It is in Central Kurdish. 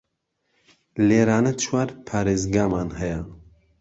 لێرانە چوار پاریزگامان هەیە